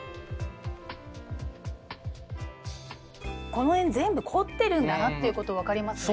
この辺全部凝ってるんだなっていうこと分かりますね。